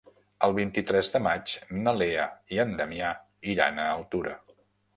El vint-i-tres de maig na Lea i en Damià iran a Altura.